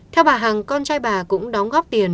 theo bà hằng con trai bà cũng đóng góp tiền